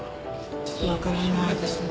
ちょっとわからないですね。